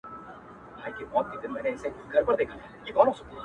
پر پاتا یې نصیب ژاړي په سرو سترګو؛